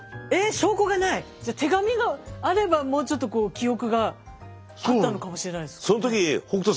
手紙があればもうちょっとこう記憶があったのかもしれないですかね。